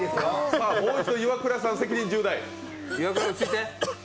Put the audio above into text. もう一度、イワクラさん、責任重大。